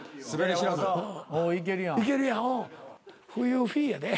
冬フィーやで。